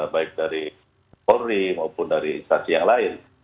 baik dari polri maupun dari instansi yang lain